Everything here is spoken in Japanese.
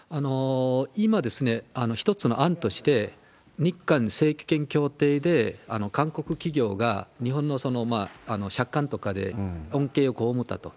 今、一つの案として、日韓請求権協定で韓国企業が日本の借款とかで恩恵をこうむったと。